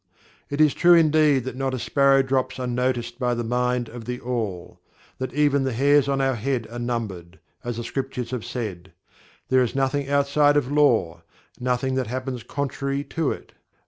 It is true indeed that not a sparrow drops unnoticed by the Mind of THE AL that even the hairs on our head are numbered as the scriptures have said There is nothing outside of Law; nothing that happens contrary to it.